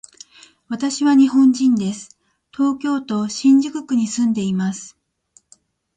私は日本人です。東京都新宿区に住んでいます。